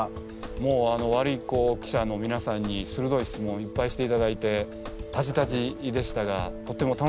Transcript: もうワルイコ記者のみなさんにするどい質問いっぱいしていただいてタジタジでしたがとっても楽しかったです。